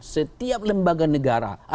setiap lembaga negara